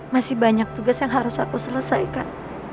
masih banyak tugas yang harus aku selesaikan